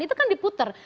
itu kan diputar